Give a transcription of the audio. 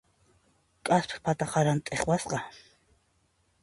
K'aspiq pata qaranta t'iqwasqa.